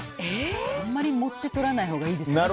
あんまり盛って撮らないほうがいいですね。